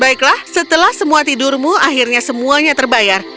baiklah setelah semua tidurmu akhirnya semuanya terbayar